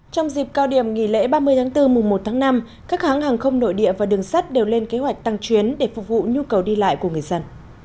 trong dịp cao điểm nghỉ lễ ba mươi tháng bốn mùng một tháng năm các hãng hàng không nội địa và đường sắt đều lên kế hoạch tăng chuyến để phục vụ nhu cầu đi lại của người dân